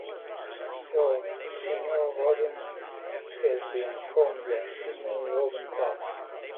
Her senior rowing has been from the Sydney Rowing Club.